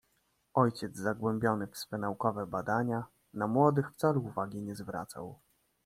"Ojciec zagłębiony w swe naukowe badania, na młodych wcale uwagi nie zwracał."